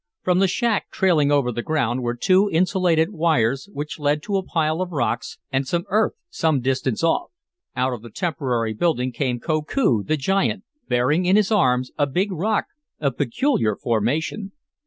From the shack, trailing over the ground, were two insulated wires, which led to a pile of rocks and earth some distance off. Out of the temporary building came Koku, the giant, bearing in his arms a big rock, of peculiar formation.